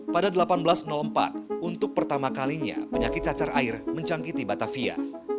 pada seribu delapan ratus empat untuk pertama kalinya penyakit cacar air mencangkiti batavia